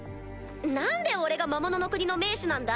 何で俺が魔物の国の盟主なんだ？